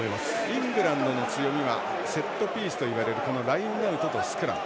イングランドの強みはセットピースといわれるラインアウトとスクラム。